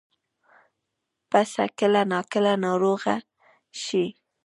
پسه کله ناکله ناروغه شي.